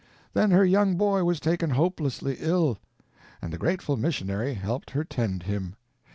Then her young boy was taken hopelessly ill, and the grateful missionary helped her tend him.